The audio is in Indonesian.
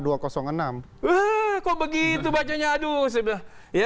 wah kok begitu bacanya aduh